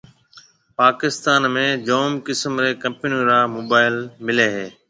پاڪستان ۾ جام قسم رَي ڪمپنيون را موبائل مليَ ھيََََ